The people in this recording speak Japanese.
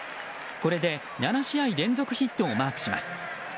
これで７試合連続ヒットをマークします。